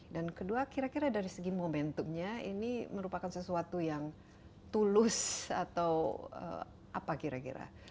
dan kedua kira kira dari segi momentumnya ini merupakan sesuatu yang tulus atau apa kira kira